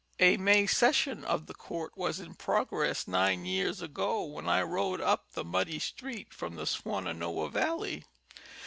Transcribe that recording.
A May session of the court was in progress nine years ago when I rode up the muddy street from the Swannanoa valley.